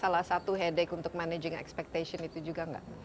salah satu headach untuk managing expectation itu juga enggak